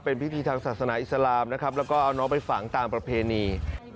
เป็นพิธีทางศาสนาอิสลามนะครับแล้วก็เอาน้องไปฝังตามประเพณี